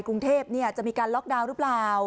กรุงเทพจะมีการล็อกดาวน์หรือเปล่า